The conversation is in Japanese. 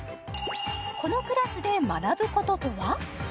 このクラスで学ぶこととは？